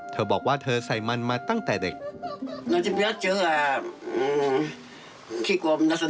เธอบอกว่าเธอใส่มันมาตั้งแต่เด็ก